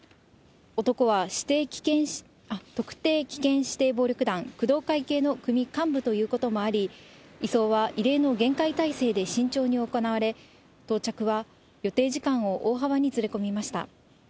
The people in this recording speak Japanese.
男は特定危険指定暴力団、工藤会系の幹部ということもあり、移送は異例の厳戒態勢で慎重に行われ、到着は予定時間を大幅にずれ込みました。